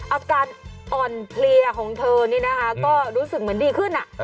อาการอ่อนเพลียของเธอนี่นะคะก็รู้สึกเหมือนดีขึ้น